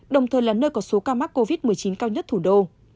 đồng thời là nơi có số ca mắc covid một mươi chín cao nhất thủ đô